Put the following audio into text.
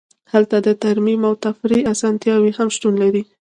هلته د ترمیم او تفریح اسانتیاوې هم شتون لري